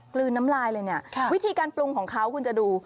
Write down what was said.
กลืนน้ำลายเลยเนี่ยวิธีการปรุงของเขาคุณจะดู